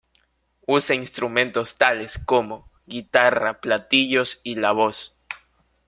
Usa instrumentos tales como: guitarra, platillos y la voz.